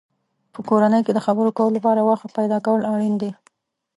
په کورنۍ کې د خبرو کولو لپاره وخت پیدا کول اړین دی.